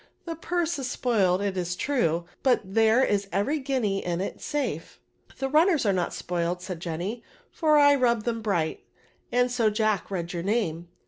The purse is spoiled, it is true, but there is every guinea in it safe." " The runners are not spoiled," said Jenny, ^' for I rubbed them bright^ and so Jack read your name."